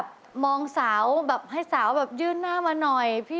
พออยากได้แบบนี้ทำให้หน่อยสิ